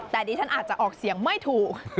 แต่ดิฉันอาจจะออกเสียงไม่ถูก